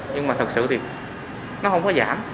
nhưng mà thật sự thì nó không có giảm